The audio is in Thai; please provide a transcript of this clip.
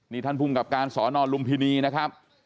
นี่ท่านภูมิกับการสอนอลุมพินีนะครับ